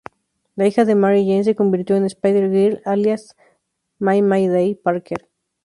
La hija de Mary Jane se convirtió en Spider-Girl, alias May "Mayday" Parker.